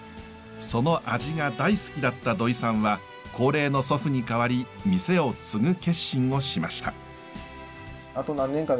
その味が大好きだった土居さんは高齢の祖父に代わり店を継ぐ決心をしました。